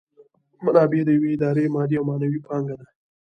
منابع د یوې ادارې مادي او معنوي پانګه ده.